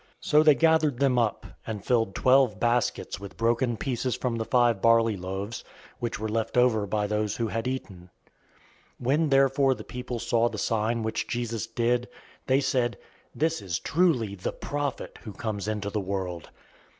006:013 So they gathered them up, and filled twelve baskets with broken pieces from the five barley loaves, which were left over by those who had eaten. 006:014 When therefore the people saw the sign which Jesus did, they said, "This is truly the prophet who comes into the world."